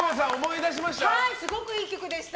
すごくいい曲でした。